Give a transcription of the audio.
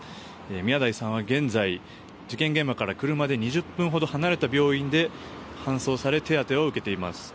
宮台さんは現在事件現場から車で２０分ほど離れた病院に搬送され手当てを受けています。